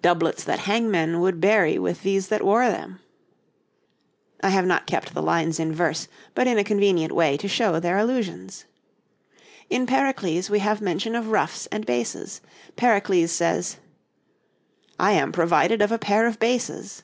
'Doublets that hangmen would bury with these that wore them.' I have not kept the lines in verse, but in a convenient way to show their allusions. In 'Pericles' we have mention of ruffs and bases. Pericles says: 'I am provided of a pair of bases.'